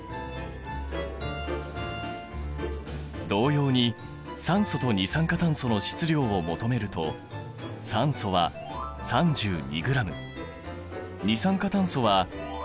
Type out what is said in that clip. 同様に酸素と二酸化炭素の質量を求めると酸素は３２ｇ二酸化炭素は８８ｇだ。